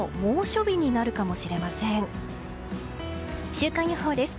週間予報です。